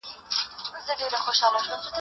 بس دوهمه كربلا ده